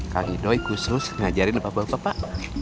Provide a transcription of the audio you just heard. kang idoi khusus ngajarin bapak bapak